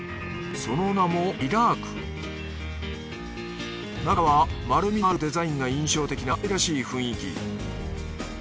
その名も中は丸みのあるデザインが印象的なかわいらしい雰囲気